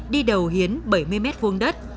đi đầu hiến bảy mươi m vuông đất